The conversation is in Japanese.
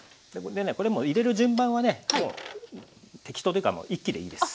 でねこれも入れる順番はねもう適当というか一気でいいんです。